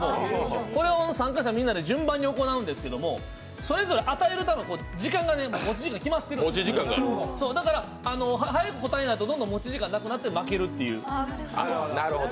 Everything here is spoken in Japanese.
これを参加者みんなで順番に行うんですけど時間が持ち時間が決まっているので早く答えないとどんどん持ち時間がなくなって負けるっていう。